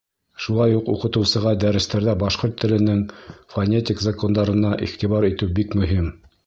Шулай уҡ уҡытыусыға дәрестәрҙә башҡорт теленең фонетик закондарына иғтибар итеү бик мөһим.